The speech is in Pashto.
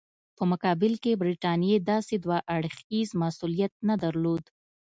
په مقابل کې برټانیې داسې دوه اړخیز مسولیت نه درلود.